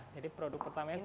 jadi produk pertamanya kursi